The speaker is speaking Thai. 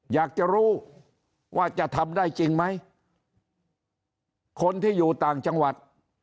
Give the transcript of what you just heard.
อยากจะรู้ว่าจะทำได้จริงไหมคนที่อยู่ต่างจังหวัด